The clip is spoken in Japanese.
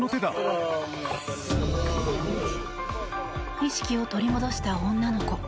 意識を取り戻した女の子。